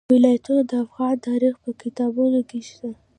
ولایتونه د افغان تاریخ په کتابونو کې شته.